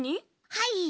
はい。